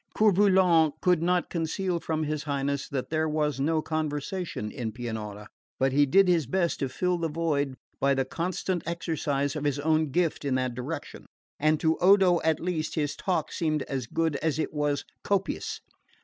Coeur Volant could not conceal from his Highness that there was no conversation in Pianura; but he did his best to fill the void by the constant exercise of his own gift in that direction, and to Odo at least his talk seemed as good as it was copious.